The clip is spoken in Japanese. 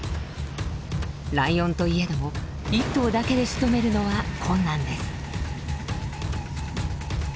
ライオンといえども１頭だけでしとめるのは困難です。